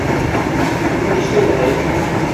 তুমি নিশ্চয়ই লয়েড।